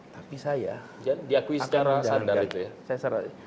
tapi saya akan menjalankan